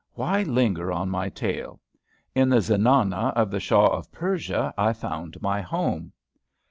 Why linger on my tale! In the Zenana of the Shah of Persia I found my home.